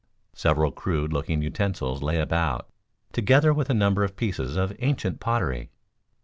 Several crude looking utensils lay about, together with a number of pieces of ancient pottery.